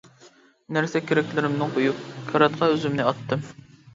نەرسە كېرەكلىرىمنى قۇيۇپ، كاراتقا ئۈزۈمنى ئاتتىم.